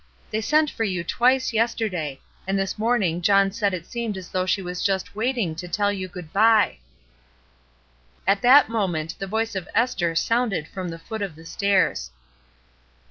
They sent for you twice yesterday; and this morning John said it seemed as though she was just waiting to tell you good by." At that moment the voice of Esther sounded from the foot of the stairs.